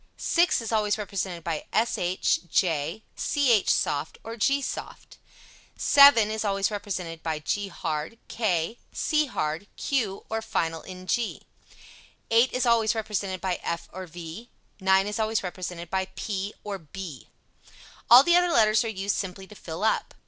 6 is always represented by sh, j, ch soft or g soft. 7 is always represented by g hard, k, c hard, q or final ng. 8 is always represented by f or v. 9 is always represented by p or b. All the other letters are used simply to fill up.